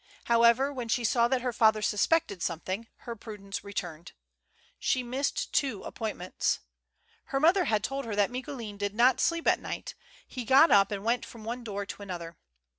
However, when she saw that her father suspected something, her prudence returned. She missed two appointments. Her mother had told her that Micoulin did not sleep at night: he got up and went from one door to another.